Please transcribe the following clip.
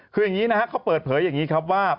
คืออย่างนี้นะครับเขาเปิดเผยอย่างนี้ครับว่า